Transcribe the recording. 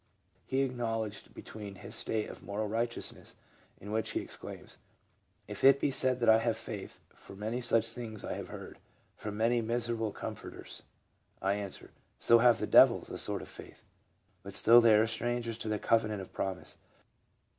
He acknowledged between his state of moral righteousness, in which he exclaims : "If it be said that I have faith (for many such things have I heard, from many miserable comforters), I answer, so have the devils — a sort of faith ; but still they are strangers to the covenant of promise.